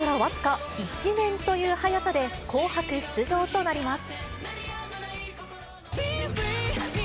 デビューから僅か１年という早さで、紅白出場となります。